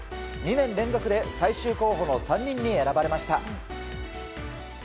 ２年連続で最終候補の３人に選ばれました。